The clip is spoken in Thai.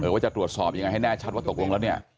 ว่าจะตรวจสอบยังไงให้แน่ชัดว่าตกลงแล้วเนี่ย